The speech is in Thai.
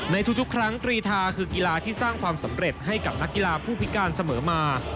ในทุกครั้งกรีธาคือกีฬาที่สร้างความสำเร็จให้กับนักกีฬาผู้พิการเสมอมา